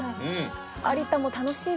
有田も楽しいですよ